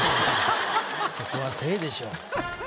そこはセイでしょ。